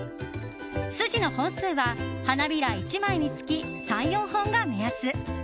筋の本数は花びら１枚につき３４本が目安。